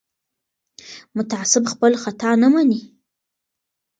متعصب خپل خطا نه مني